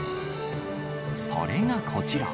それがこちら。